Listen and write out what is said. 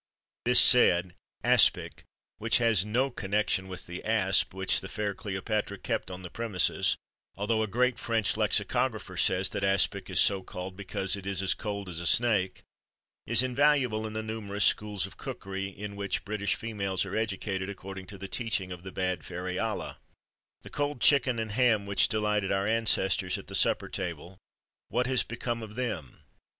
This said ASPIC which has no connection with the asp which the fair Cleopatra kept on the premises, although a great French lexicographer says that aspic is so called because it is as cold as a snake is invaluable in the numerous "schools of cookery" in the which British females are educated according to the teaching of the bad fairy Ala. The cold chicken and ham which delighted our ancestors at the supper table what has become of them?